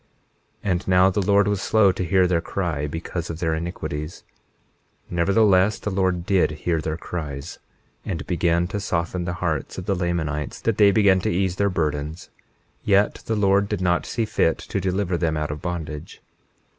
21:15 And now the Lord was slow to hear their cry because of their iniquities; nevertheless the Lord did hear their cries, and began to soften the hearts of the Lamanites that they began to ease their burdens; yet the Lord did not see fit to deliver them out of bondage.